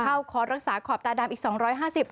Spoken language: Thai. ข้าวคอร์ดรักษาขอบตาดำอีก๒๕๐บาทค่ะ